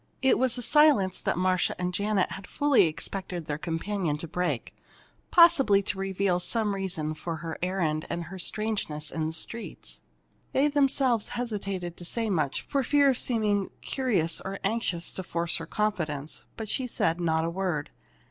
It was a silence that Marcia and Janet had fully expected their companion to break possibly to reveal some reason for her errand and her strangeness in the streets. They themselves hesitated to say much, for fear of seeming curious or anxious to force her confidence. But she said not a word.